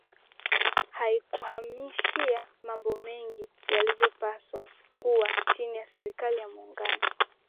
Haikuhamishia mambo mengi yaliyopaswa kuwa chini ya Serikali ya Muungano